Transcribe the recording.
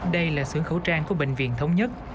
đây là xuồng khẩu trang của bệnh viện thống nhất